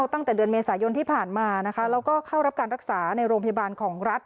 ตั้งแต่เดือนเมษายนที่ผ่านมานะคะแล้วก็เข้ารับการรักษาในโรงพยาบาลของรัฐ